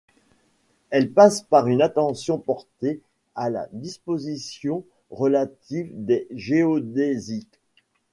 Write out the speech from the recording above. Elle passe par une attention portée à la disposition relative des géodésiques.